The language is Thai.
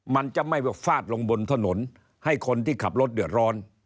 มันจะไม่ฟาดลงบนถนนให้คนที่ขับรถเดือดร้อน